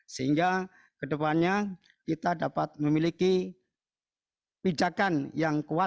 sehingga kedepannya kita dapat memiliki pijakan yang lebih baik